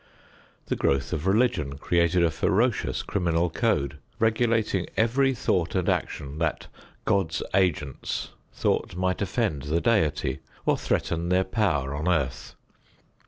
The growth of religion created a ferocious criminal code, regulating every thought and action that God's agents thought might offend the Deity or threaten their power on earth.